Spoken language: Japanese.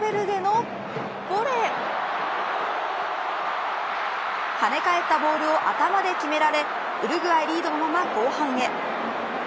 ヴェルデの跳ね返ったボールを頭で決められて、ウルグアイリードのまま後半へ。